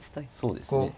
そうですね。